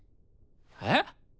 えっ？